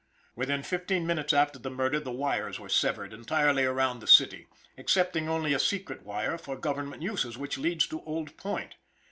Within fifteen minutes after the murder the wires were severed entirely around the city, excepting only a secret wire for government uses, which leads to Old Point.